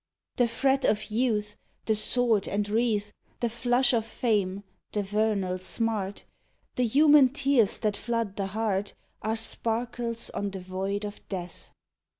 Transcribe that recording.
The fret of youth, the sword and wreath, The flush of fame, the vernal smart, The human tears that flood the heart Are sparkles on the void of death.